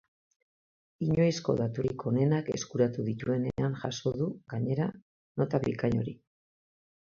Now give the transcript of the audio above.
Inoizko daturik onenak eskuratu dituenean jaso du, gainera, nota bikain hori.